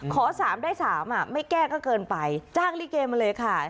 ขอสามได้สามอ่ะไม่แก้ก็เกินไปจ้างริเกณฑ์มาเลยค่ะ